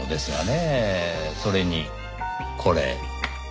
それにこれ。